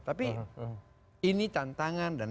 tapi ini tantangan dan